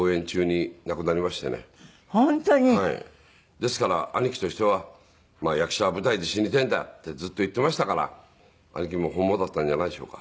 ですから兄貴としては「役者は舞台で死にたいんだ」ってずっと言っていましたから兄貴も本望だったんじゃないでしょうか。